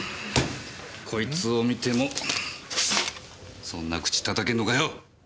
こいつを見てもそんな口叩けんのかよ！